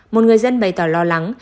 một người dân bày tỏ lo lắng